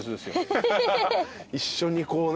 一緒にこうね。